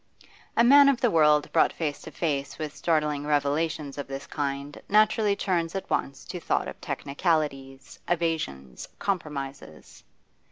A man of the world brought face to face with startling revelations of this kind naturally turns at once to thought of technicalities, evasions, compromises.